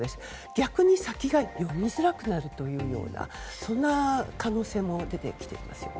逆に先が読みづらくなるというようなそんな可能性も出てきていますよね。